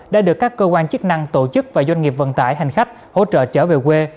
đã được các cơ quan chức năng tổ chức và doanh nghiệp vận tải hành khách hỗ trợ trở về quê